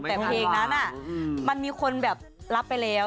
แต่เพลงนั้นมันมีคนแบบรับไปแล้ว